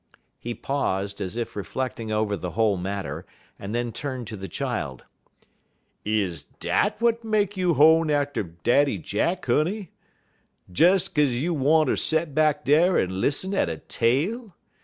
He paused, as if reflecting over the whole matter, and then turned to the child: "Is dat w'at make you hone atter Daddy Jack, honey des 'kaze you wanter set back dar en lissen at a tale?